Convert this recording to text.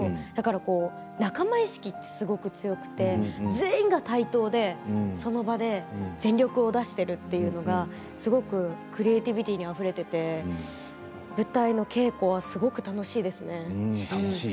だから仲間意識がすごく強くて全員が対等でその場で全力を出しているというのはクリエーティビティーにあふれていて舞台の稽古はすごく楽しいですね。